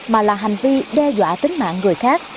mà là hành vi đe dọa tính mạng người khác